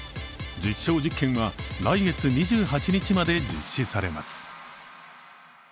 実証実験は来月２８日まで実施されます。